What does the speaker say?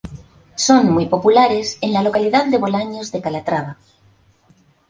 Son muy populares en la localidad de Bolaños de Calatrava.